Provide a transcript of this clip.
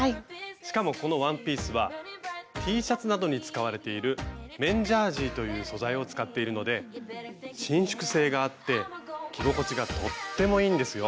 しかもこのワンピースはＴシャツなどに使われている「綿ジャージー」という素材を使っているので伸縮性があって着心地がとってもいいんですよ。